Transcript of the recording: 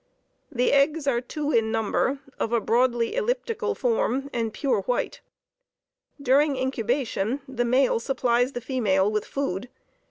The eggs are two in number, of a broadly elliptical form, and pure white. During incubation, the male supplies the female with food.